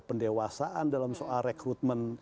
pendewasaan dalam soal rekrutmen